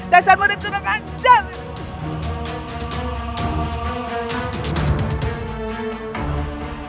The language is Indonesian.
dasar model kena kacau